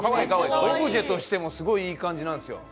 オブジェとしてもすごい、いい感じなんですよ。